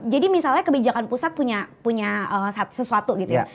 jadi misalnya kebijakan pusat punya sesuatu gitu ya